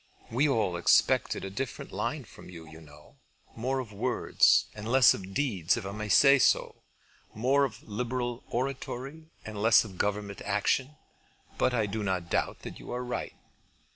We all expected a different line from you, you know, more of words and less of deeds, if I may say so; more of liberal oratory and less of government action; but I do not doubt that you are right."